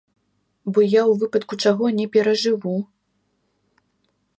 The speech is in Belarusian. Бо я, у выпадку чаго, не перажыву.